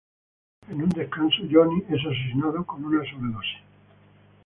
En un descanso, Johnny es asesinado con una sobredosis.